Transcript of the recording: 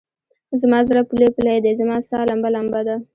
زما زړه پولۍ پولی دی، زما سا لمبه لمبه ده